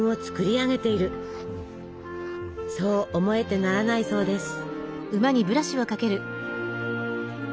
そう思えてならないそうです。